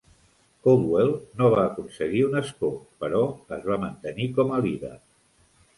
Coldwell no va aconseguir un escó però es va mantenir com a líder.